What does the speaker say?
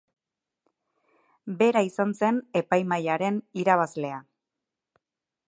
Bera izan zen epaimahaiaren irabazlea.